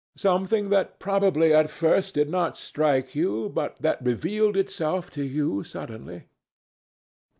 —something that probably at first did not strike you, but that revealed itself to you suddenly?"